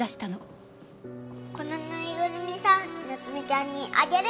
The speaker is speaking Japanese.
このぬいぐるみさん菜津美ちゃんにあげる。